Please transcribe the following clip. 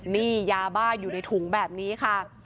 นี่ยาบ้าอยู่ในถุงแบบนี้ค่ะ